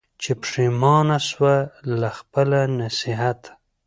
چي پښېمانه سوه له خپله نصیحته